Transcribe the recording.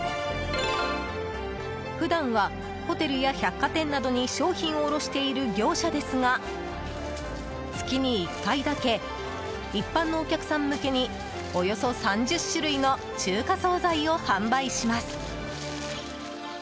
普段はホテルや百貨店などに商品を卸している業者ですが月に１回だけ一般のお客さん向けにおよそ３０種類の中華総菜を販売します。